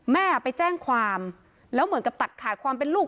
แม่ไปแจ้งความแล้วเหมือนกับตัดขาดความเป็นลูก